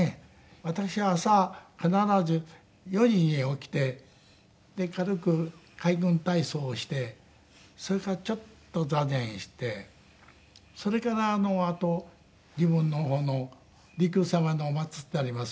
私は朝必ず４時に起きて軽く海軍体操をしてそれからちょっと座禅してそれからあと自分の方の利休様の祀ってあります